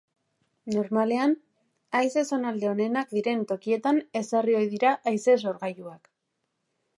Normalean, haize zonalde onenak diren tokietan ezarri ohi dira haize-sorgailuak.